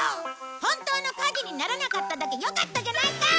本当の火事にならなかっただけよかったじゃないか！！